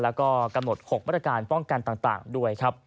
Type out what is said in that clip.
แล้วก็กระโหมดหกบริการพ่องกันต่างด้วย